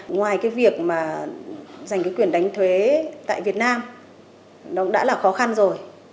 ngoài cái việc mà dành cái quyền đánh thuế tại việt nam nó cũng đã là khó khăn rồi